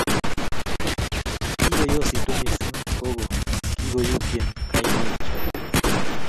kikuyositu mising' gogoe kikuyutie kainaik cho